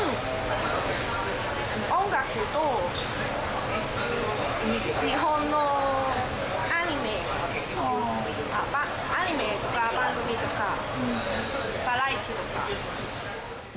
音楽と、日本のアニメとか、番組とか、バラエティーとか。